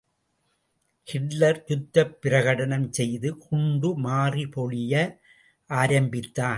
Hitler யுத்த பிரகடனம் செய்து குண்டு மாறி பொழிய ஆரம்பித்தான்.